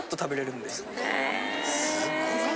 すごいな。